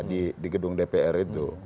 di gedung dpr itu